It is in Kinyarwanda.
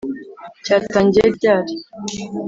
cyatangiye ryari?